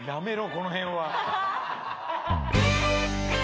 この辺は。